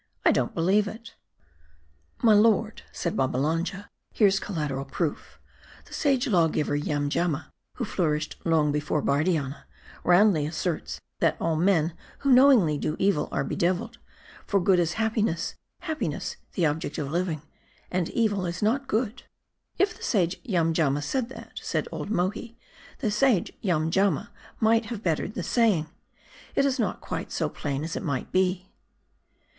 " I don't believe it." " My lord," said Babbalanja, " here's collateral proof; the sage lawgiver Yamjamma, who flourished long before Bardianna, roundly asserts, that all men who knowingly do evil are bedeviled ; for good is happiness ; happiness the ob ject of living ; and evil is not good." M A R D I. 363 " If the sage Yamjamma said that," said old Mohi, "the sage Yamjamma might have bettered the saying ; it's not quite so plain as it might be."